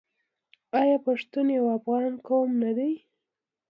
آیا پښتون یو افغان قوم نه دی؟